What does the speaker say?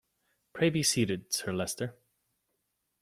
Pray be seated, Sir Leicester.